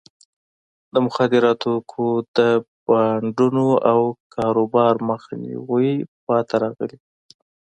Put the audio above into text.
د مخدره توکو د بانډونو او کاروبار مخنیوي پاتې راغلی.